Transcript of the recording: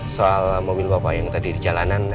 soal mobil bapak yang tadi di jalanan